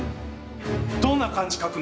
どんな漢字書くの？